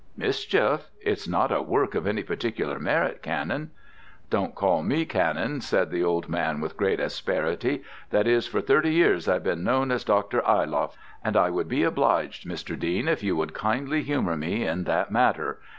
"Mischief? it's not a work of any particular merit, Canon." "Don't call me Canon," said the old man with great asperity, "that is, for thirty years I've been known as Dr. Ayloff, and I shall be obliged, Mr. Dean, if you would kindly humour me in that matter.